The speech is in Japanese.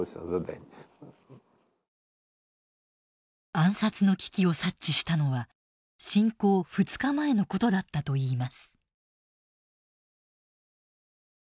暗殺の危機を察知したのは侵攻２日前のことだったといいます。